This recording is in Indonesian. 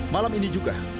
malam ini juga